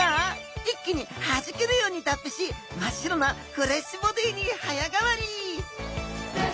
一気にはじけるように脱皮し真っ白なフレッシュボディーに早変わり！